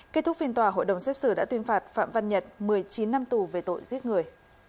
kết thúc phiên tòa hội đồng xét xử đã tuyên phạt phạm văn nhật một mươi chín năm tù về tội giết người